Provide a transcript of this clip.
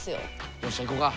よっしゃ行こか。